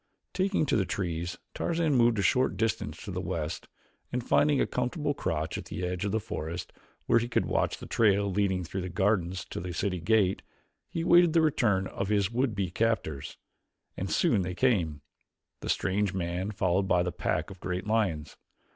Taking to the trees Tarzan moved a short distance to the west and, finding a comfortable crotch at the edge of the forest where he could watch the trail leading through the gardens to the city gate, he awaited the return of his would be captors. And soon they came the strange man followed by the pack of great lions.